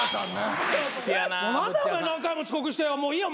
何だお前何回も遅刻してもういいよ